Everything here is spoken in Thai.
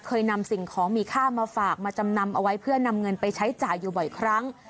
เคยนำสิ่งของมีค่ามาฝากมาจำนำเอาไว้เพื่อนำเงินไปใช้จ่ายอยู่บ่อยครั้ง